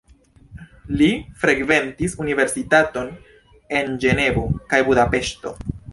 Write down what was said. Li frekventis universitaton en Ĝenevo kaj Budapeŝto.